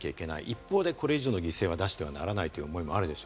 一方でこれ以上、犠牲を出してはならないという思いもある。